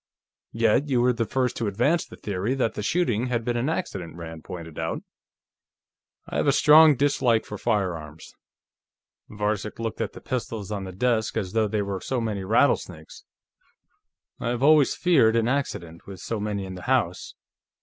"Yet you were the first to advance the theory that the shooting had been an accident," Rand pointed out. "I have a strong dislike for firearms." Varcek looked at the pistols on the desk as though they were so many rattlesnakes. "I have always feared an accident, with so many in the house.